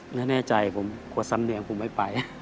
ไม่แน่ใจผมควรซ้ำเหนื่อยผมไม่ไป